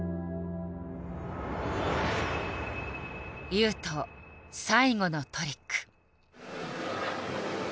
雄斗最後のトリック。